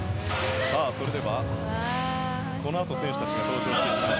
このあと選手たちが登場してきます。